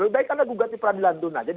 baik anda gugat di pradilan tun nah jadi